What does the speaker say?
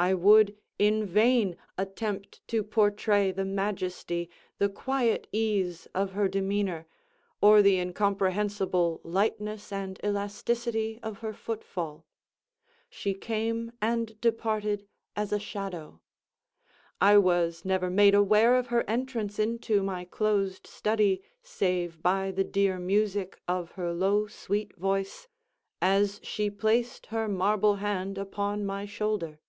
I would in vain attempt to portray the majesty, the quiet ease, of her demeanor, or the incomprehensible lightness and elasticity of her footfall. She came and departed as a shadow. I was never made aware of her entrance into my closed study save by the dear music of her low sweet voice, as she placed her marble hand upon my shoulder.